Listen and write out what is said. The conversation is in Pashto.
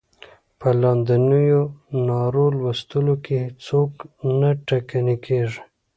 په لاندنیو نارو لوستلو کې څوک نه ټکنی کیږي.